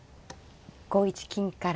５一金から。